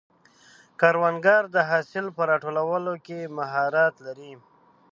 کروندګر د حاصل په راټولولو کې مهارت لري